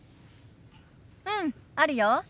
うんあるよ。